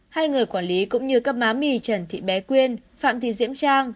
hai người quản lý cũng như các má mì trần thị bé quyên phạm thị diễm trang